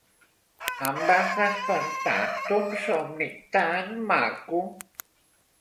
Em vas despertar d'un somni tan maco!